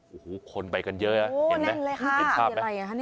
โอ้โหคนไปกันเยอะนะเห็นไหมนี่พิธีอะไรอ่ะ